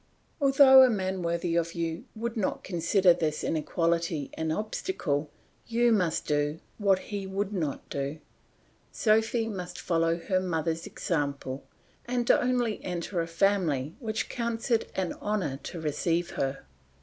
Although a man worthy of you would not consider this inequality an obstacle, you must do what he would not do; Sophy must follow her mother's example and only enter a family which counts it an honour to receive her.